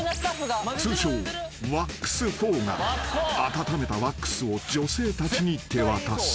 ［通称ＷＡＸ４が温めたワックスを女性たちに手渡す］